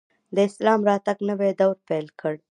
د اسلام راتګ نوی دور پیل کړ